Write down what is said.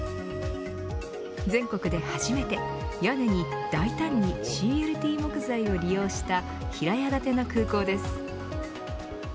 全国で初めて屋根に大胆にＣＬＴ木材を利用した平屋建ての空港です。